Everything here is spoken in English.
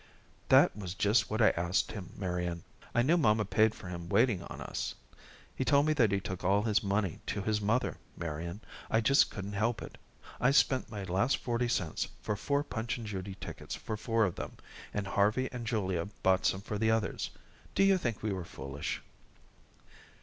"That was just what I asked him, Marian. I knew mamma paid him for waiting on us. He told me that he took all his money to his mother. Marian, I just couldn't help it. I spent my last forty cents for four Punch and Judy tickets for four of them, and Harvey and Julia bought some for the others. Do you think we were foolish?"